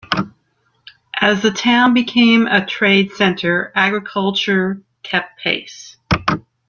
As the town became a trade center, agriculture kept pace.